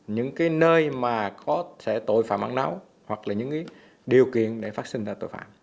những nơi có tội phạm ăn nấu hoặc những điều kiện để phát sinh tội phạm